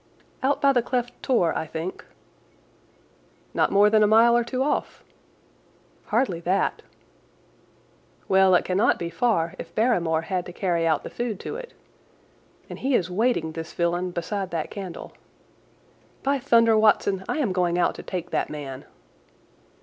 "Out by the Cleft Tor, I think." "Not more than a mile or two off." "Hardly that." "Well, it cannot be far if Barrymore had to carry out the food to it. And he is waiting, this villain, beside that candle. By thunder, Watson, I am going out to take that man!"